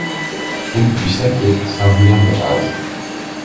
Route du Saquet, Saint-Julien-de-Raz